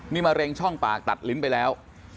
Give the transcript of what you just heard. นี่มะเร็งช่องปากตัดลิ้นไปแล้ว